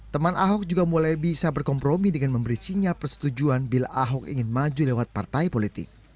teman ahok juga mulai bisa berkompromi dengan memberi sinyal persetujuan bila ahok ingin maju lewat partai politik